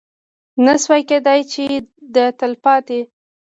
نه شوای کېدی چې د تلپاتې